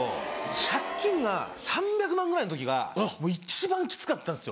借金が３００万ぐらいの時がもう一番きつかったんですよ。